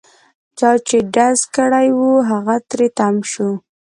چا چې ډز کړی وو هغه تري تم شو.